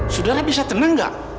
sudara bisa tenang gak